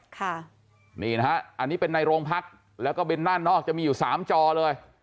ค่ะนี่นะฮะอันนี้เป็นในโรงพักแล้วก็บินด้านนอกจะมีอยู่สามจอเลย